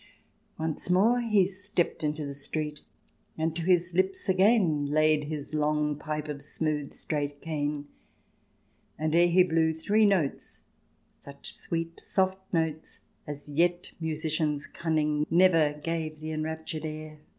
Once more he stept into the street, And to his lips again, Laid his long pipe of smooth straight cane ; And ere he blew three notes (such sweet Soft notes as yet musician's cunning Never gave the enraptured air).